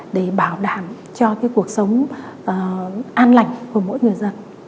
để bảo đảm cho cuộc sống an lành của mỗi người dân